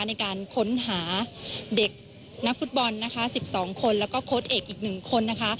ในการค้นหาเด็กนักฟุตบอลนะคะ๑๒คนแล้วก็โค้ดเอกอีก๑คนนะคะ